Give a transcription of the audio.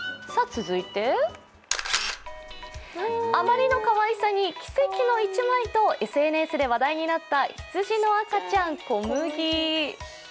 続いて、あまりのかわいさに奇跡の一枚とＳＮＳで話題になったひつじの赤ちゃん、こむぎ。